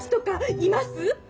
いますよ。